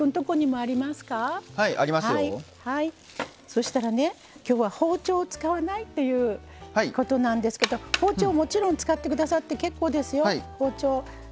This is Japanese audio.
そうしたら、今日は包丁を使わないっていうことなんですけど包丁を、もちろん使ってくださって結構ですよ。